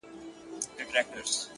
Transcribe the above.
زه مي پر خپلي بې وسۍ باندي تکيه کومه ـ